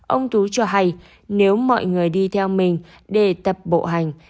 ông tú cho hay nếu mọi người đi theo mình để tập bộ hành